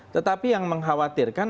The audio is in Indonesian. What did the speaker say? tetapi yang mengkhawatirkan